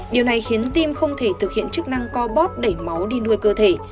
điều này khiến tim không thể thực hiện chức năng co bóp đẩy máu đi nuôi cơ thể